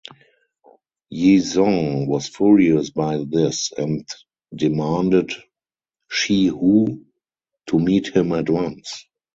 Yizhong was furious by this and demanded Shi Hu to meet him at once.